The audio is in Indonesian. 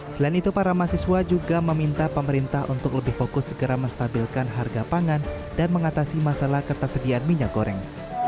selain itu para mahasiswa juga meminta pemerintah untuk lebih fokus segera menstabilkan harga pangan dan mengatasi masalah ketersediaan minyak goreng